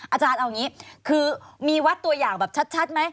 อาจารย์เอาอย่างนี้คือมีวัดตัวอย่างแบบชัดไหม